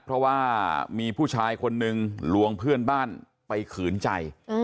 เพราะว่ามีผู้ชายคนนึงลวงเพื่อนบ้านไปขืนใจ